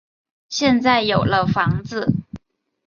现在有了房子